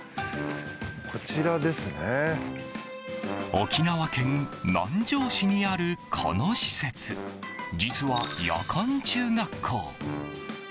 沖縄県南城市にあるこの施設、実は夜間中学校。